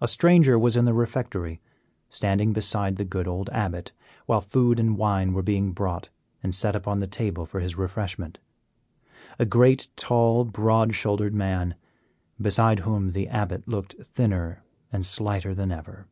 A stranger was in the refectory, standing beside the good old Abbot, while food and wine were being brought and set upon the table for his refreshment; a great, tall, broad shouldered man, beside whom the Abbot looked thinner and slighter than ever.